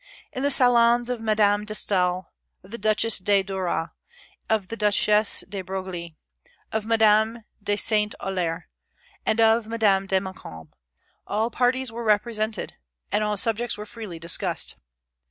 In the salons of Madame de Staël, of the Duchesse de Duras, of the Duchesse de Broglie, of Madame de St. Aulaire, and of Madame de Montcalm, all parties were represented, and all subjects were freely discussed.